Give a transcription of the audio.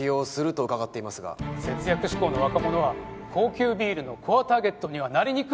節約志向の若者は高級ビールのコアターゲットにはなりにくい。